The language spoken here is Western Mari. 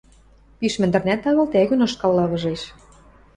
Пиш мӹндӹрнӓт агыл тӓгӱн ышкал лавыжеш.